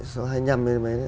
số hai nhầm